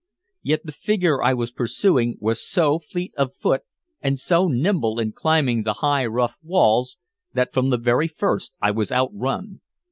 Yet the figure I was pursuing was so fleet of foot and so nimble in climbing the high rough walls that from the very first I was outrun.